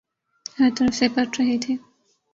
ہر طرف سے پٹ رہے تھے۔